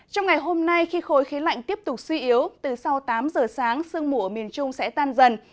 trong ngày hôm nay khi khối khí lạnh tiếp tục suy yếu từ sau tám giờ sáng sương mù ở miền trung sẽ tan dần